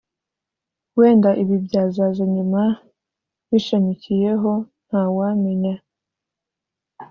wenda ibindi byazaza nyuma bishamikiyeho ntawamenya